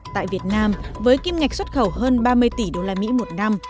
tại việt nam với kim ngạch xuất khẩu hơn ba mươi tỷ đô la mỹ một năm